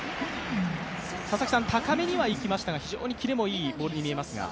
高めにはいきましたが非常に切れのいいボールにも見えますが。